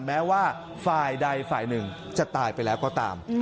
แม้ว่าฝ่ายใดฝ่ายหนึ่งจะตายไปแล้วก็ตาม